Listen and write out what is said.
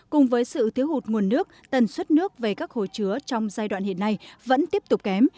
cùng với sự thiếu hụt nguồn nước tần suất nước về các hồ chứa trong giai đoạn hiện nay vẫn tiếp tục kém